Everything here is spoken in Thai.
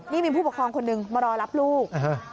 นี่มีผู้ปกครองคนนึงมารอรับลูก